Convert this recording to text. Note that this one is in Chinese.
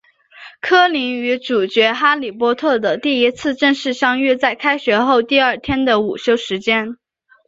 柯林与主角哈利波特的第一次正式相遇在开学后第二天的午休时间。